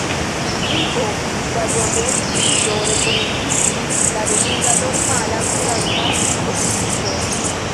Tuj post la Dua Mondmilito, rekomenciĝis la regula, normala kuraca okupiĝo.